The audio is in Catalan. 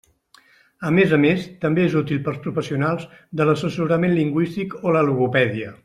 A més a més, també és útil per als professionals de l'assessorament lingüístic o la logopèdia.